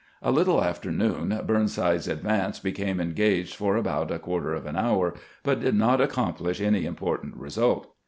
A little after noon Burnside's advance became engaged for about a quarter of an hour, but did not accomplish any important result.